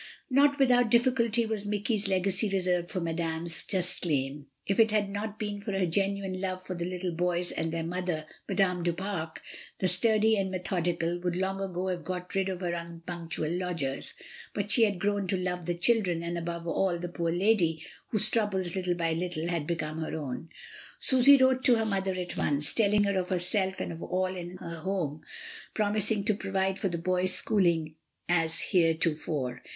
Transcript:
Not without difficulty was Mike/s legacy re served for Madame's just claim. If it had not been for her genuine love for the little boys and their mother, Madame du Pare, the sturdy and methodical, would long ago have got rid of her unpunctual lodgers, but she had grown to love the children, and, above all, the poor lady, whose troubles, little by little, had become her own. Susy wrote to her mother at once, telling her of herself and of all in her home, promising to provide for the boys' schooling as heretofore.